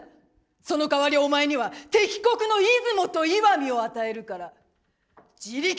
そのかわりお前には敵国の出雲と石見を与えるから自力で奪い取ってこい！」。